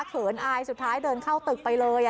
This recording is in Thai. เขินอายสุดท้ายเดินเข้าตึกไปเลย